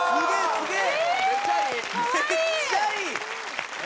すげえ！